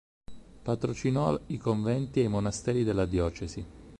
Patrocinò i conventi e i monasteri della diocesi.